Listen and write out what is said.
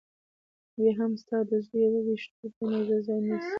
بيا هم ستا د زوى د يوه وېښته په اندازه ځاى نيسي .